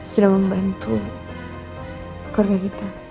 sudah membantu keluarga kita